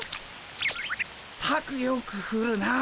ったくよくふるなあ。